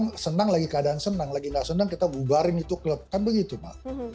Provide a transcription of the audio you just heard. kalau kita senang lagi keadaan senang lagi gak senang kita tanya kan soal senang dan menjiwai itu kan beda